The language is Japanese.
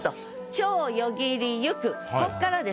「蝶よぎりゆく」こっからです。